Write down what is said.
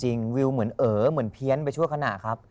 วิวเหมือนเอ๋อเหมือนเพี้ยนไปชั่วขณะครับ